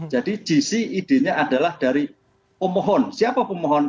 jadi gc idenya adalah dari pemohon siapa pemohon